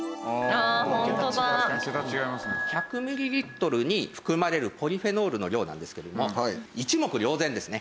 １００ミリリットルに含まれるポリフェノールの量なんですけども一目瞭然ですね